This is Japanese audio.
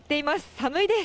寒いです。